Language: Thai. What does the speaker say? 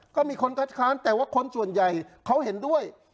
ก็มีคนคัดค้านแต่ว่าคนส่วนใหญ่เขาเห็นด้วย